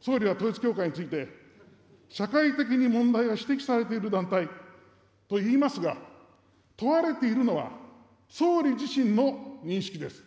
総理は統一教会について、社会的に問題が指摘されている団体と言いますが、問われているのは、総理自身の認識です。